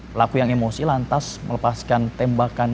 pelaku yang emosi lantas melepaskan tembakan